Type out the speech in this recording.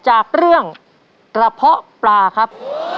จากเรื่องกระเพาะปลาครับ